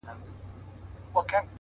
څوك به غوږ نيسي نارو ته د بې پلارو.!